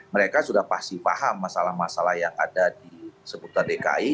mereka sudah pasti paham masalah masalah yang ada di seputar dki